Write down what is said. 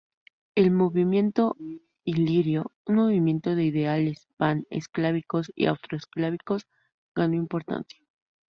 El Movimiento Ilirio, un movimiento de ideales pan-eslávicos y austro-eslávicos ganó importancia.